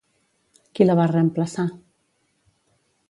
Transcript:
Qui la va reemplaçar?